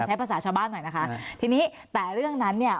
ใช้ภาษาชาวบ้านหน่อยนะคะทีนี้แต่เรื่องนั้นเนี่ย